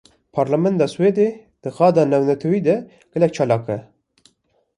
Parlamena Swêdê, di qada navnetewî de gelek çalak e